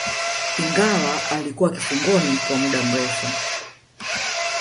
ingawa alikuwa kifungoni kwa muda mrefu